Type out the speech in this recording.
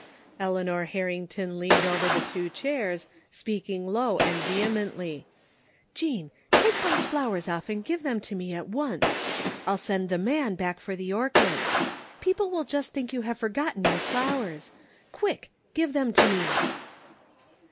Eleanor Harrington leaned over the two chairs, speaking low and vehemently :" Jean, take those flowers off and give them to me at once ! I'll send the man back for the orchids. People will just think you have forgotten your flowers. Quick, g^ve them to me."